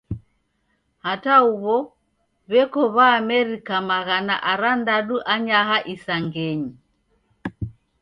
Hata huw'o w'eko W'aamerika maghana arandadu anyaha isangenyi.